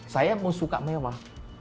saya mau suka mewah